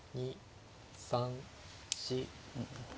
３４。